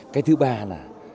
cái thứ ba là